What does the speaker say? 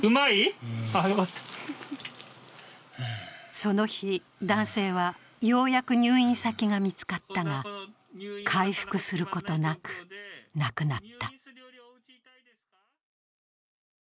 その日、男性はようやく入院先が見つかったが、回復することなく、亡くなった。